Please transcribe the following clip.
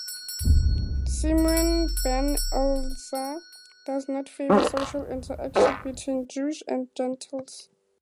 Simeon ben Eleazar does not favor social interaction between Jews and Gentiles.